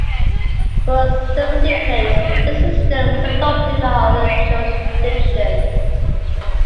For several decades, this system was adopted by other jurisdictions.